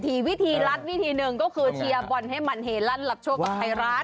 ไทยรัฐนี่ทีหนึ่งก็คือเทียบอลเฮมันเฮลันด์หลับโชคกับไทยรัฐ